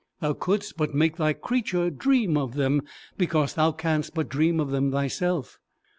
Thou couldst but make thy creature dream of them, because thou canst but dream of them thyself."